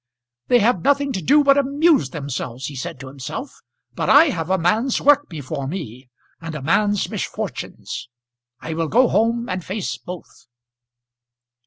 "They have nothing to do but amuse themselves," he said to himself; "but I have a man's work before me, and a man's misfortunes. I will go home and face both."